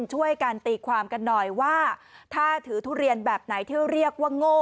ช่วยกันตีความกันหน่อยว่าถ้าถือทุเรียนแบบไหนที่เรียกว่าโง่